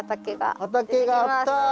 畑があった！